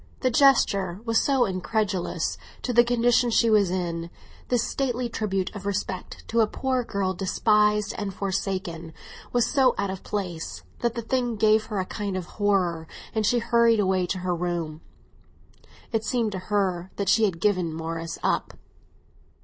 The gesture was so incongruous to the condition she was in, this stately tribute of respect to a poor girl despised and forsaken was so out of place, that the thing gave her a kind of horror, and she hurried away to her room. It seemed to her that she had given Morris up.